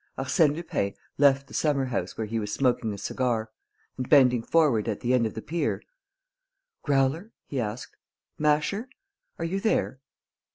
Arsène Lupin left the summer house where he was smoking a cigar and, bending forward at the end of the pier: "Growler?" he asked. "Masher?... Are you there?"